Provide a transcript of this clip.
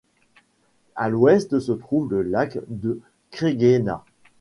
À l'ouest se trouve le lac de Cregüena.